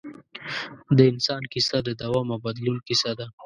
د انسان کیسه د دوام او بدلون کیسه ده.